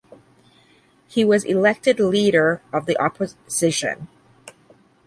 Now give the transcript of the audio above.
He was elected leader of the opposition.